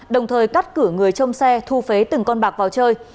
đồng thời cắt cửa người trong xe thu phế từng con bạc vào chơi